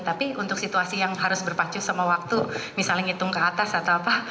tapi untuk situasi yang harus berpacu sama waktu misalnya ngitung ke atas atau apa